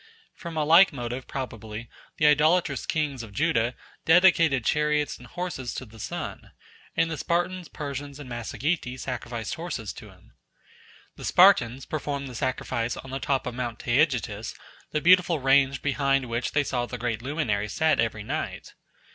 From a like motive, probably, the idolatrous kings of Judah dedicated chariots and horses to the sun, and the Spartans, Persians, and Massagetae sacrificed horses to him. The Spartans performed the sacrifice on the top of Mount Taygetus, the beautiful range behind which they saw the great luminary set every night.